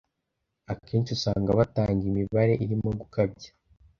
Akenshi usanga batanga imibare irimo gukabya